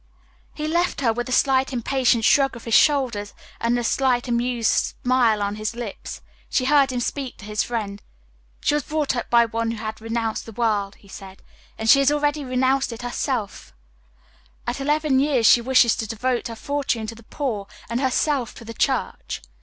He left her with a slight impatient shrug of his shoulders and the slight amused smile on his lips. She heard him speak to his friend. "She was brought up by one who had renounced the world," he said, "and she has already renounced it herself pauvre petite enfant! At eleven years she wishes to devote her fortune to the poor and herself to the Church."